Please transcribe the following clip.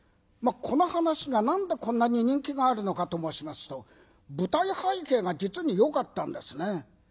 この噺が何でこんなに人気があるのかと申しますと舞台背景が実によかったんですね。